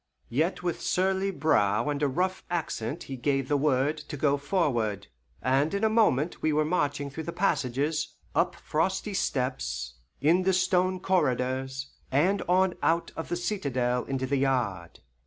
Yet with surly brow and a rough accent he gave the word to go forward, and in a moment we were marching through the passages, up frosty steps, in the stone corridors, and on out of the citadel into the yard.